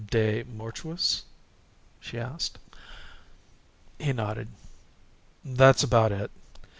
"De mortuis?" she asked. He nodded. "That's about it.